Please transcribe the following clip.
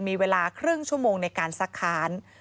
มีเวลาครึ่งชั่วโมงในการซักค้าน